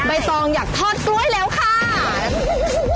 ใบตองอยากทอดกล้วยแล้วค่ะ